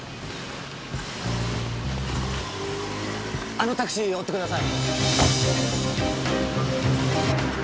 あのタクシー追ってください。